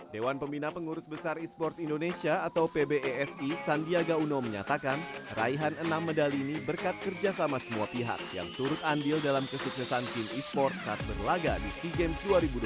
dewan pembina pengurus besar e sports indonesia atau pbesi sandiaga uno menyatakan raihan enam medali ini berkat kerjasama semua pihak yang turut andil dalam kesuksesan tim e sports saat berlaga di sea games dua ribu dua puluh